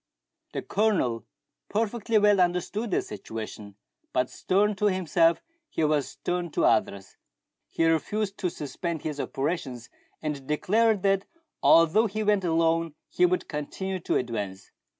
The Colonel perfectly well understood the situation ; but stern to himself, he was stern to others. He refused to suspend his operations, and declared that although he went alone, he would continue to advance.